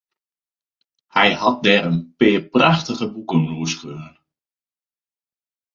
Hy hat dêr in pear prachtige boeken oer skreaun.